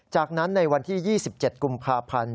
จากนั้นในวันที่๒๗กุมภาพันธ์